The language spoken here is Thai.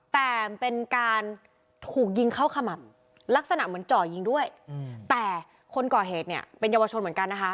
แต่เป็นการถูกยิงเข้าขม่ำลักษณะเหมือนเจาะยิงด้วยแต่คนก่อเหตุเนี่ยเป็นเยาวชนเหมือนกันนะคะ